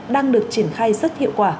đang được triển khai rất hiệu quả